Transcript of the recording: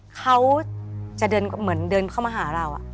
เขาจะเดินเหมือนเดินเข้ามาหาเรา